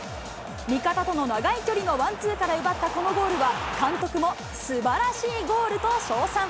味方との長い距離のワンツーから奪ったこのゴールは、監督もすばらしいゴールと称賛。